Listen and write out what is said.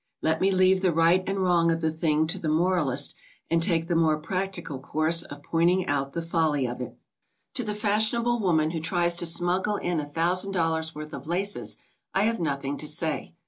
Let me leave the right and wrong of the thing to the moralist and take the more practical course of pointing out the folly of it. To the fashionable woman who tries to smuggle in a thousand dollars worth of laces, I have nothing to say.